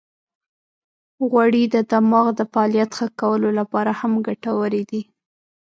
غوړې د دماغ د فعالیت ښه کولو لپاره هم ګټورې دي.